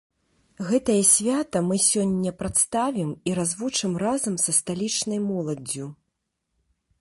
Гэтае свята мы сёння прадставім і развучым разам са сталічнай моладдзю.